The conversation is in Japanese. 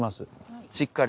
しっかり。